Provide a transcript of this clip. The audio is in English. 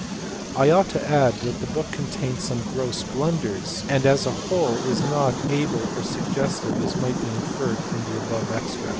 I ought to add that the book contains some gross blunders, and as a whole is not as able or suggestive as might be inferred from the above extracts.